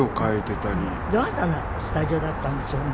どなたのスタジオだったんでしょうね。